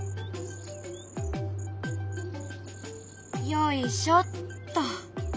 よいしょっと。